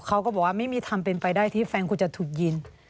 เขาก็บอกว่าไม่มีทำเป็นไปได้ที่แฟนคุณจะถูกยิง